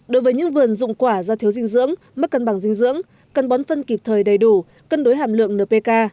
đối với những vườn dụng quả do thiếu dinh dưỡng mất cân bằng dinh dưỡng cần bón phân kịp thời đầy đủ cân đối hàm lượng npk